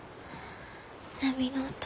波の音